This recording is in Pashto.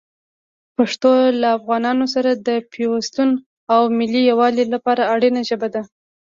پښتو له افغانانو سره د پیوستون او ملي یووالي لپاره اړینه ژبه ده.